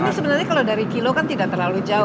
ini sebenarnya kalau dari kilo kan tidak terlalu jauh